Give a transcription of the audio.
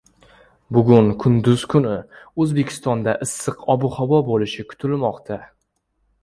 Bugun kunduz kuni O‘zbekistonda issiq ob-havo bo‘lishi kutilmoqda